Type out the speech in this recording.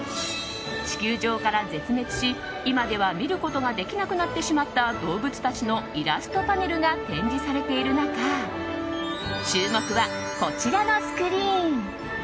地球上から絶滅し今では見ることができなくなってしまった動物たちのイラストパネルが展示されている中注目は、こちらのスクリーン。